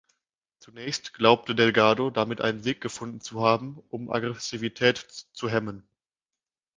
Zunächst glaubte Delgado damit einen Weg gefunden zu haben, um Aggressivität zu hemmen.